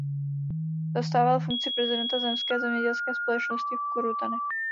Zastával funkci prezidenta zemské zemědělské společnosti v Korutanech.